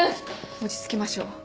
落ち着きましょう。